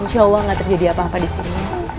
insya allah gak terjadi apa apa di sini